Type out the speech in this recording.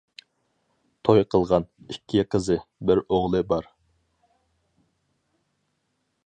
توي قىلغان، ئىككى قىزى، بىر ئوغلى بار.